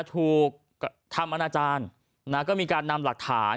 ถูกทำอนาจารย์ก็มีการนำหลักฐาน